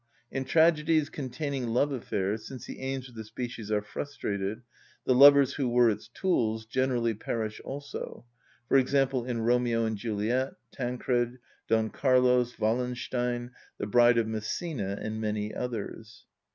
In tragedies containing love affairs, since the aims of the species are frustrated, the lovers who were its tools, generally perish also; for example, in "Romeo and Juliet," "Tancred," "Don Carlos," "Wallenstein," "The Bride of Messina," and many others.